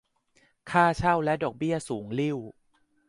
ค่าเช่าและดอกเบี้ยสูงลิ่ว